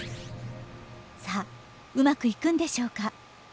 さあうまくいくんでしょうか。